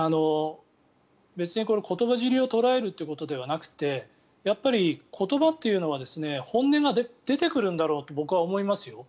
別にこれ、言葉尻を捉えるということではなくてやっぱり言葉というのは本音が出てくるんだろうと僕は思いますよ。